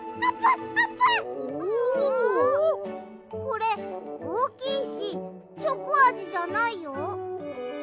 これおおきいしチョコあじじゃないよ。